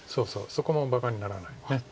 そこもばかにならない。